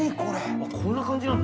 あっこんな感じなんだ。